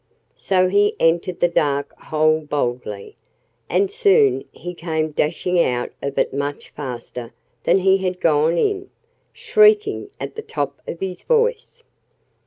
So he entered the dark hole boldly. And soon he came dashing out of it much faster than he had gone in, shrieking at the top of his voice.